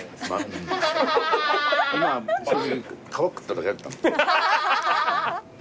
今正直皮食っただけだった。